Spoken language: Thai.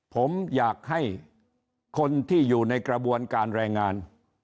ผมอยากให้คนที่อยู่ในกระบวนการแรงงาน